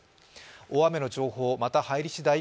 大雨の情報また入りしだい